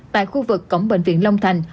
tại khu vực cổng bệnh viện long thành